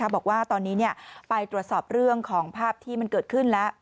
บอกว่าตอนนี้ไปตรวจสอบเรื่องของภาพที่มันเกิดขึ้นแล้ว